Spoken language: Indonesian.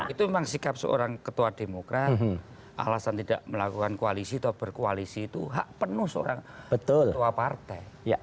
itu memang sikap seorang ketua demokrat alasan tidak melakukan koalisi atau berkoalisi itu hak penuh seorang ketua partai